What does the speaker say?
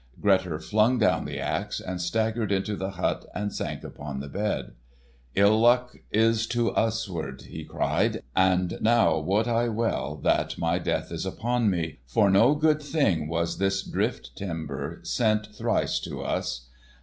Grettir flung down the axe, and staggered into the hut and sank upon the bed. "Ill luck is to us ward," he cried, "and now wot I well that my death is upon me. For no good thing was this drift timber sent thrice to us.